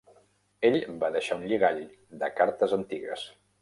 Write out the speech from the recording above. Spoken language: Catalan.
Ell va deixar un lligall de cartes antigues.